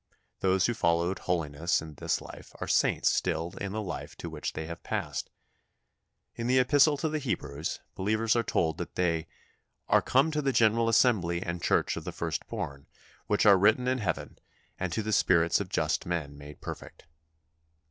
Those who followed holiness in this life are saints still in the life to which they have passed. In the Epistle to the Hebrews, believers are told that they "are come to the general assembly and church of the firstborn, which are written in heaven ... and to the spirits of just men made perfect."